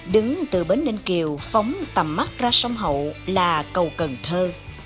đứng từ bến ninh kiều phóng tầm mắt ra sông hậu là cầu cần thơ